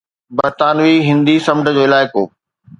برطانوي هندي سمنڊ جو علائقو